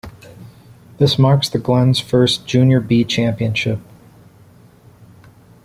This marks the Glens first Junior "B" Championship.